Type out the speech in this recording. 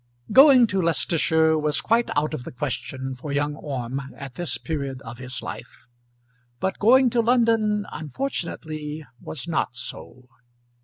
Going to Leicestershire was quite out of the question for young Orme at this period of his life, but going to London unfortunately was not so.